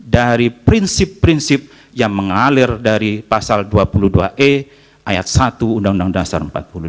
dari prinsip prinsip yang mengalir dari pasal dua puluh dua e ayat satu undang undang dasar empat puluh lima